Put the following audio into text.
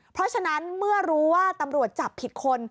เพราะฉะนั้นเมื่อรู้ว่าตำรวจจับผิดคน